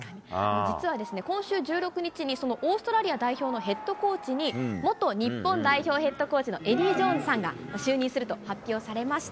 実はですね、今週１６日にそのオーストラリア代表のヘッドコーチに、元日本代表ヘッドコーチのエディ・ジョーンズさんが就任すると発表されました。